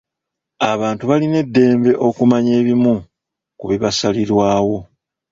Abantu balina eddembe okumanya ebimu ku bibasalirwawo.